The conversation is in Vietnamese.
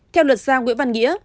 theo luật sang nguyễn văn nghĩa